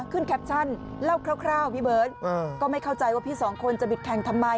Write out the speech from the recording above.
แคปชั่นเล่าคร่าวพี่เบิร์ตก็ไม่เข้าใจว่าพี่สองคนจะบิดแข่งทำไม